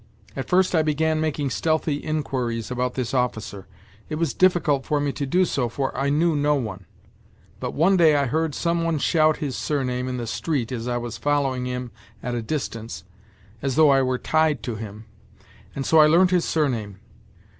At first I began making stealthy inquiries about this officer. It was difficult for me to do so, for I knew no one. But one day I heard some one shout his surname in the street as I was following him at a distance, as though I were tied to him and so I learnt his surname.